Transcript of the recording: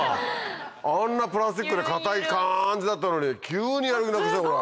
あんなプラスチックで硬い感じだったのに急にやる気なくしたほら。